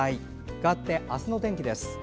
かわって明日の天気です。